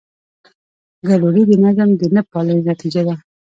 ګډوډي د نظم د نهپالنې نتیجه ده.